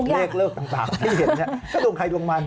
เลขเลขต่างที่เห็นนี่ก็ดวงไข่ดวงมัน